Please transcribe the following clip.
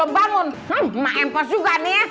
banget sih be